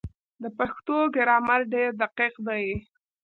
د پښتو ګرامر ډېر دقیق دی.